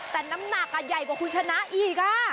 แต่น้ำหนักใหญ่กว่าคุณชนะอีก